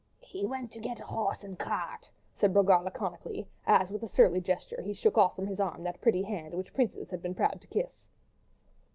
"He went to get a horse and cart," said Brogard, laconically, as, with a surly gesture, he shook off from his arm that pretty hand which princes had been proud to kiss.